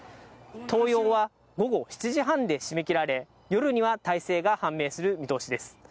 投票は午後７時半で締め切られ、夜には大勢が判明する見通しです。